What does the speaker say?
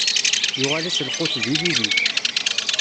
Yuɣal-as lqut d ilili.